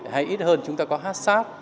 hay ít hơn chúng ta có haccp